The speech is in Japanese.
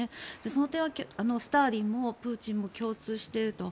その点はスターリンもプーチンも共通していると。